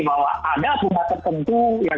bahwa ada akumat tertentu